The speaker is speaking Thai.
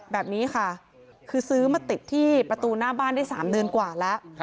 แบบนี้ค่ะคือซื้อมาติดที่ประตูหน้าบ้านได้๓เดือนกว่าแล้ว